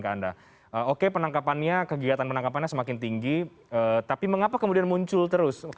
ke anda oke penangkapannya kegiatan penangkapannya semakin tinggi tapi mengapa kemudian muncul terus